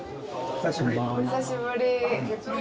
久しぶり。